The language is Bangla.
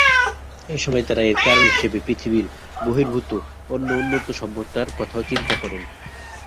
এইসময় তারা এর কারণ হিসেবে পৃথিবী বহির্ভূত অন্য উন্নত সভ্যতার কথাও চিন্তা করেন।